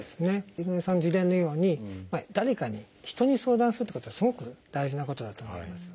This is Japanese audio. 井上さんの事例のように誰かに人に相談するってことはすごく大事なことだと思います。